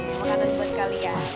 yaudah deh makanan buat kalian